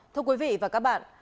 thưa quý vị và các bạn